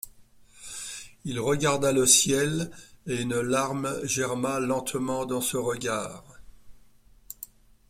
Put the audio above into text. Il regarda le ciel, et une larme germa lentement dans ce regard.